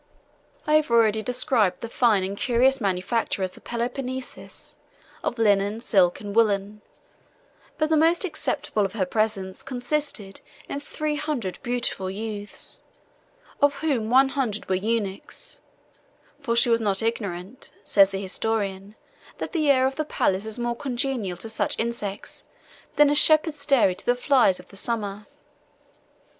I have already described the fine and curious manufactures of Peloponnesus, of linen, silk, and woollen; but the most acceptable of her presents consisted in three hundred beautiful youths, of whom one hundred were eunuchs; 38 "for she was not ignorant," says the historian, "that the air of the palace is more congenial to such insects, than a shepherd's dairy to the flies of the summer."